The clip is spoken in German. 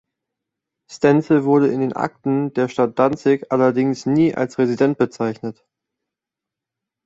Stenzel wurde in den Akten der Stadt Danzig allerdings nie als "Resident" bezeichnet.